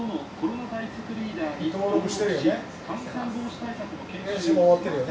登録してるよね？